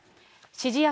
指示役、